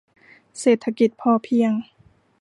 เศรษฐกิจพอเพียง